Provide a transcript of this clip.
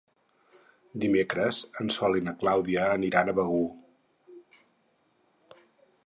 Dimecres en Sol i na Clàudia aniran a Begur.